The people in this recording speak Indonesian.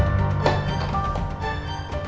habis sidang keputusan ini